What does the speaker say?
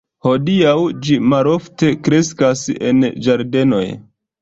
Hodiaŭ ĝi malofte kreskas en ĝardenoj.